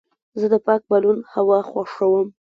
زه د پاک بالون هوا خوښوم.